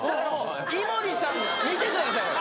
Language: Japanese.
井森さん見てください。